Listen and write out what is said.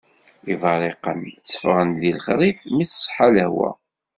Iberriqen teffɣen-d deg lexrif mi teṣḥa lehwa.